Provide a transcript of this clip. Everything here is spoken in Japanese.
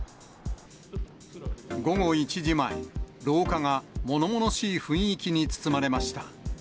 午後１時前、廊下がものものしい雰囲気に包まれました。